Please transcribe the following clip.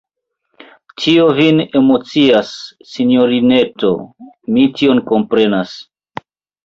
Tio vin emocias, sinjorineto: mi tion komprenas.